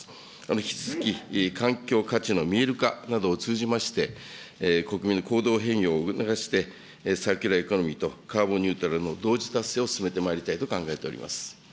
引き続き、環境価値の見える化などを通じまして、国民の行動変容を促して、サーキュラーエコノミーとカーボンニュートラルの同時達成を進めてまいりたいと考えております。